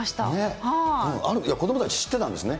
子どもたち知ってたんですね。